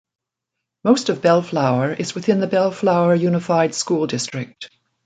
Most of Bellflower is within the Bellflower Unified School District.